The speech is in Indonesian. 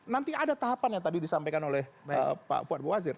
nanti ada tahapan yang tadi disampaikan oleh pak fuad buwazir